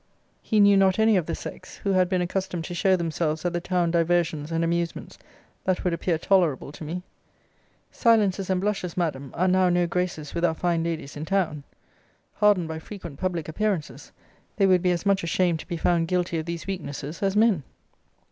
He knew not any of the sex, who had been accustomed to show themselves at the town diversions and amusements, that would appear tolerable to me. Silences and blushes, Madam, are now no graces with our fine ladies in town. Hardened by frequent public appearances, they would be as much ashamed to be found guilty of these weaknesses, as men.